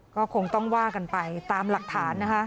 ก็คงต้องว่ากันไปตามหลักฐานนะคะ